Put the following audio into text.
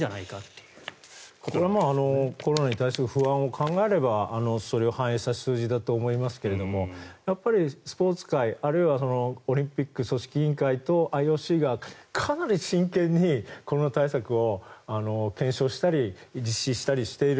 これはコロナに対する不安を考えればそれを反映させた数字だと思いますけどやっぱりスポーツ界、あるいはオリンピック組織委員会とＩＯＣがかなり真剣にコロナ対策を検証したり実施したりしている。